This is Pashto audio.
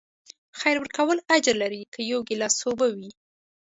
خیر ورکول اجر لري، که یو ګیلاس اوبه وي.